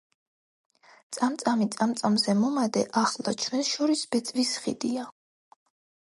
წამწამი წამწამზე მომადე, ახლა ჩვენს შორის ბეწვის ხიდია.